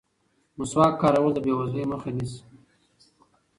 مسواک کارول د بې وزلۍ مخه نیسي.